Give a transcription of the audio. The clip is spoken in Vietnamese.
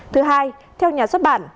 thứ hai theo nhà xuất bản